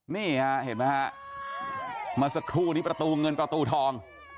นี่ฮะเห็นไหมฮะเมื่อสักครู่นี้ประตูเงินประตูทอง